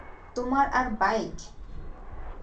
তোমার আর বাইক!